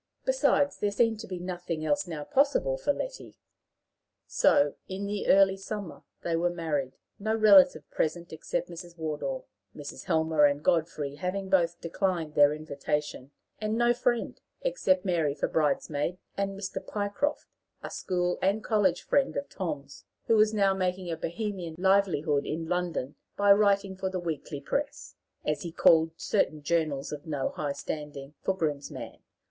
Besides, there seemed to be nothing else now possible for Letty. So, in the early summer, they were married, no relative present except Mrs. Wardour, Mrs. Helmer and Godfrey having both declined their invitation; and no friend, except Mary for bridesmaid, and Mr. Pycroft, a school and college friend of Tom's, who was now making a bohemian livelihood in London by writing for the weekly press, as he called certain journals of no high standing, for groom's man.